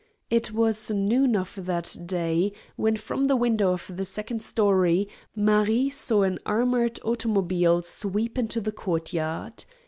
It was noon of that day when from the window of the second story Marie saw an armored automobile sweep into the courtyard.